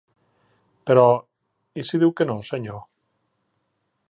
Però, i si diu que no, senyor?